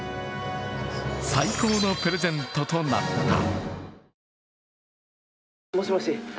最高のプレゼントとなった。